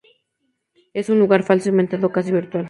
Es un lugar falso, inventado, casi virtual.